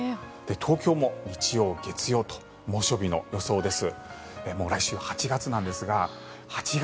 東京も日曜、月曜と猛暑日の予想です。